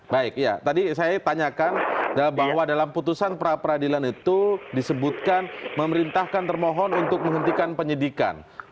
baik ya tadi saya tanyakan bahwa dalam putusan pra peradilan itu disebutkan memerintahkan termohon untuk menghentikan penyidikan